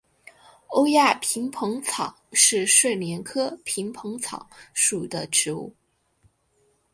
欧亚萍蓬草是睡莲科萍蓬草属的植物。